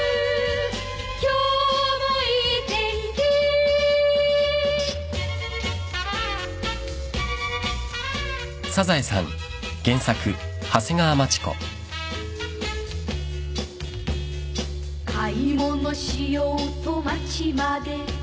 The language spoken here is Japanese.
「今日もいい天気」「買い物しようと街まで」